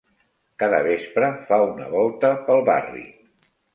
Cada vespre fa una volta pel barri.